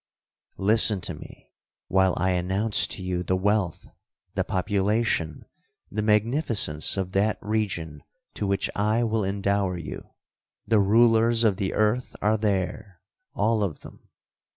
Listen to me while I announce to you the wealth, the population, the magnificence of that region to which I will endower you. The rulers of the earth are there—all of them.